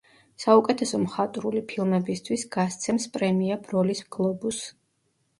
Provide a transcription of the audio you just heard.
საუკეთესო მხატვრული ფილმებისთვის გასცემს პრემია „ბროლის გლობუსს“.